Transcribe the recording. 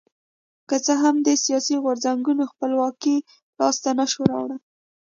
که څه هم دې سیاسي غورځنګونو خپلواکي لاسته نه شوه راوړی.